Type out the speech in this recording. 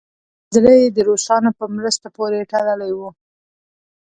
زړه یې د روسانو په مرستو پورې تړلی وو.